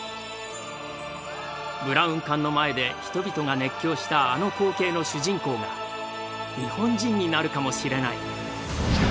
ブラウン管の前で人々が熱狂したあの光景の主人公が日本人になるかもしれない。